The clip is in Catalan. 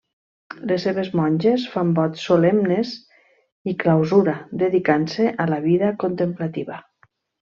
Les seves monges fan vots solemnes i clausura, dedicant-se a la vida contemplativa.